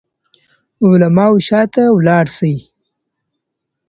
د علماوو شاته ولاړ شئ.